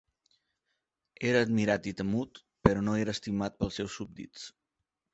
Era admirat i temut, però no era estimat pels seus súbdits.